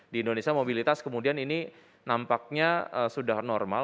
di indonesia mobilitas kemudian ini nampaknya sudah normal